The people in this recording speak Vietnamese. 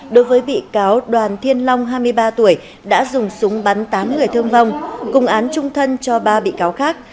đối với bị cáo đoàn thiên long hai mươi ba tuổi đã dùng súng bắn tám người thương vong cùng án trung thân cho ba bị cáo khác